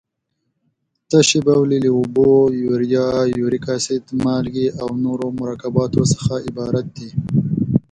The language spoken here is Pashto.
تشې بولې له اوبو، یوریا، یوریک اسید، مالګې او نورو مرکباتو څخه عبارت دي.